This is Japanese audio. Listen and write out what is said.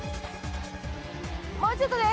もうちょっとです。